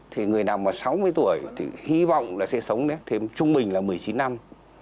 thì người nằm vào sáu mươi tuổi thì hy vọng sẽ sống thêm trung bình là một mươi chín năm